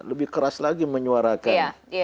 lebih keras lagi menyuarakan